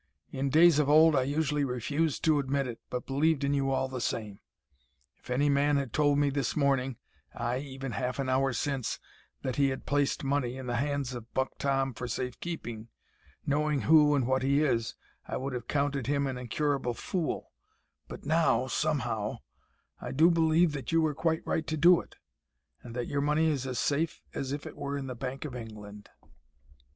In days of old I usually refused to admit it, but believed in you all the same! If any man had told me this morning ay, even half an hour since that he had placed money in the hands of Buck Tom for safe keeping, knowing who and what he is, I would have counted him an incurable fool; but now, somehow, I do believe that you were quite right to do it, and that your money is as safe as if it were in the Bank of England."